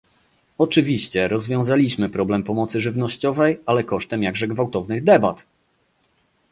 Oczywiście, rozwiązaliśmy problem pomocy żywnościowej, ale kosztem jakże gwałtownych debat!